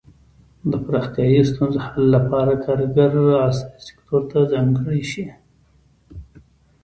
د پراختیايي ستونزو حل لپاره کارګر عصري سکتور ته ځانګړي شي.